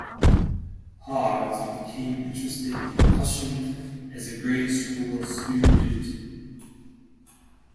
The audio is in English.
Hart became interested in percussion as a grade-school student.